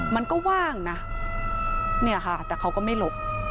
มันก็ว่างนะแต่เขาก็ไม่หลบ